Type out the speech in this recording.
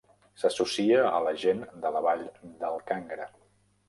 S'associa a la gent de la vall del Kangra.